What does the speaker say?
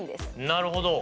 なるほど。